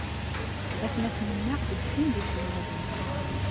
Aytmaten-nneɣ deg sin d iselmaden.